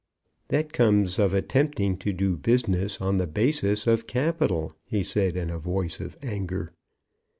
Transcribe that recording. "That comes of attempting to do business on a basis of capital!" he said in a voice of anger.